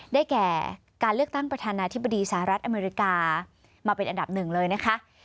แก่การเลือกตั้งประธานาธิบดีสหรัฐอเมริกามาเป็นอันดับหนึ่งเลยนะคะ